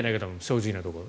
正直なところ。